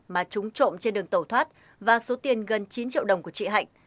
mà chúng trộm trên đường tàu thoát và số tiền gần chín triệu đồng của chị hạnh